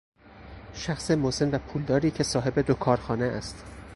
شخص مسن و پولداری که صاحب دو کارخانه است